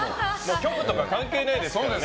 局とか関係ないですから。